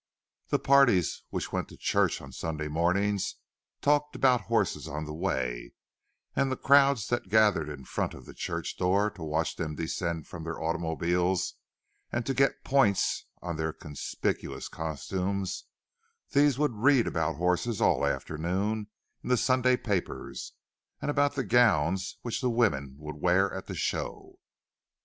The parties which went to church on Sunday morning talked about horses on the way, and the crowds that gathered in front of the church door to watch them descend from their automobiles, and to get "points" on their conspicuous costumes—these would read about horses all afternoon in the Sunday papers, and about the gowns which the women would wear at the show.